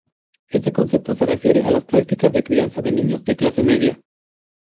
Este concepto se refiere a las prácticas de crianza de niños de clase media.